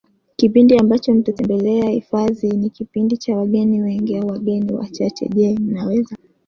kipindi ambacho mtatembelea hifadhi hii ni kipindi cha wageni wengi au wageni wachacheJe mnaweza